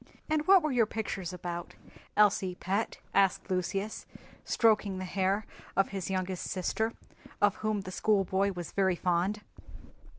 "And what were your pictures about, Elsie, pet?" asked Lucius, stroking the hair of his youngest sister, of whom the schoolboy was very fond.